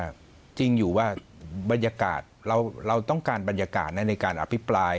คือมีอย่างหนึ่งว่าจริงอยู่ว่าบรรยากาศเราต้องการบรรยากาศในการอภิปราย